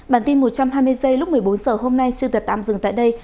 bản tin một trăm hai mươi giây lúc một mươi bốn h hôm nay xin tạm dừng tại đây